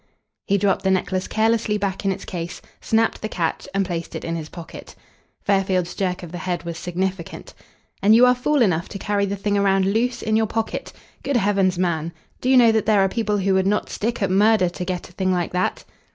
He dropped the necklace carelessly back in its case, snapped the catch, and placed it in his pocket. Fairfield's jerk of the head was significant. "And you are fool enough to carry the thing around loose in your pocket. Good heavens, man! Do you know that there are people who would not stick at murder to get a thing like that?"